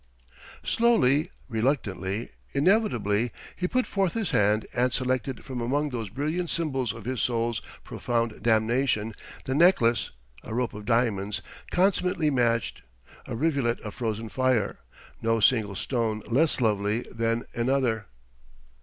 Slowly, reluctantly, inevitably he put forth his hand and selected from among those brilliant symbols of his soul's profound damnation the necklace, a rope of diamonds consummately matched, a rivulet of frozen fire, no single stone less lovely than another.